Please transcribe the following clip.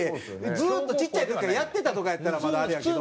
ずっとちっちゃい時からやってたとかやったらまだあれやけど。